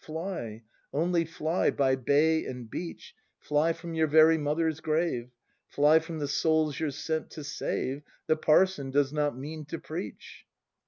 Fly, only fly, by bay and beach. Fly from your very mother's grave, — Fly from the souls you're sent to save; — "The Parson does not mean to preach!"